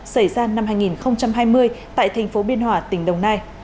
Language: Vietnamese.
xảy ra năm hai nghìn hai mươi tại thành phố biên hòa tỉnh đồng nai